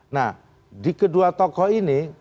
nah di kedua tokoh ini